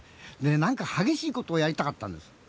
何か激しいことをやりたかったんです。